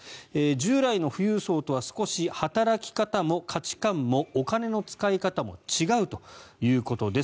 従来の富裕層とは少し働き方も価値観もお金の使い方も違うということです。